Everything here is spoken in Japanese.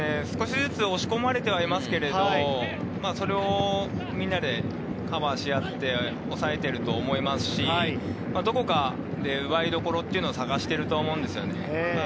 少しずつ押し込まれてはいますけど、それをみんなでカバーし合って、抑えてると思いますし、どこかで奪いどころっていうのを探してると思うんですよね。